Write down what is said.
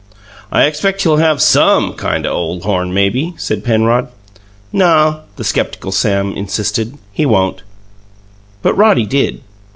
"I expect he'll have SOME kind of ole horn, maybe," said Penrod. "No," the skeptical Sam insisted, "he won't." But Roddy did.